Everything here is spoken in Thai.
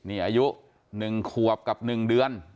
อายุ๑ควบด้าน๑เดือน